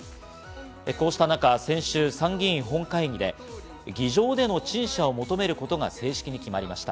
こうした中、先週、参議院本会議で議場での陳謝を求めることが正式に決まりました。